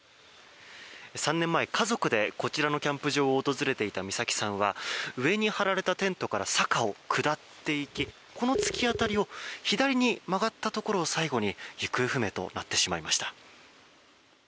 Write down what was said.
３年前家族でこちらのキャンプ場を訪れていた美咲さんは上に張られたテントから坂を下っていきこの突き当たりを左に曲がったところを最後に行方不明となってしまいました。